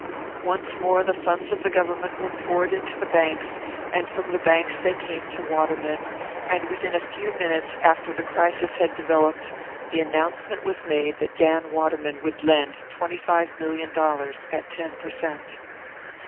Once more the funds of the Government were poured into the banks; and from the banks they came to Waterman; and within a few minutes after the crisis had developed, the announcement was made that Dan Waterman would lend twenty five million dollars at ten per cent.